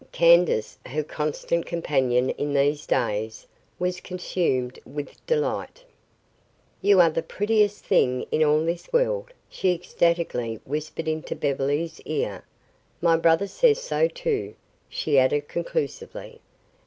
Candace, her constant companion in these days, was consumed with delight. "You are the prettiest thing in all this world," she ecstatically whispered into Beverly's ear. "My brother says so, too," she added conclusively.